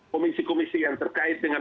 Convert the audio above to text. komisi komisi yang terkait dengan